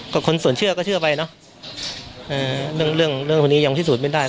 ก็คนส่วนเชื่อก็เชื่อไปเนอะเรื่องเรื่องพวกนี้ยังพิสูจน์ไม่ได้